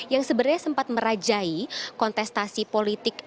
yang sebenarnya sempat merajai kontestasi politik